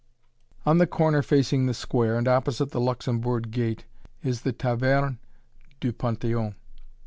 On the corner facing the square, and opposite the Luxembourg gate, is the Taverne du Panthéon.